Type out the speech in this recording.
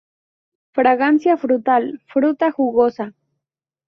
Fragancia frutal Fruta jugosa.